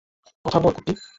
কথা বল, কুট্টি।